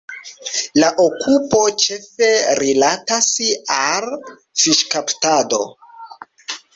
La okupo ĉefe rilatas al fiŝkaptado.